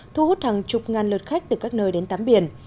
thu hút hàng chục ngàn lượt khách từ các nơi đến tám biển